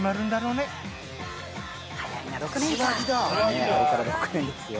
ねぇあれから６年ですよ。